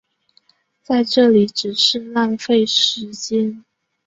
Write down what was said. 在这里只是浪费时间